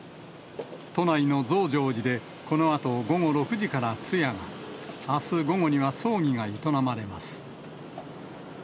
都内の増上寺でこのあと午後６時から通夜が、あす午後には葬儀が営まれます。